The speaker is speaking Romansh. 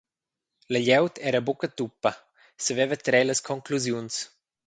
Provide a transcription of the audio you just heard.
La glieud era buca tuppa, saveva trer las conclusiuns.